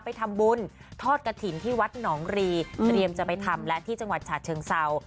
ไปทำบุญทอดกระถิ่นที่วัดหนองรีเตรียมจะไปทำและที่จังหวัดฉะเชิงเศร้า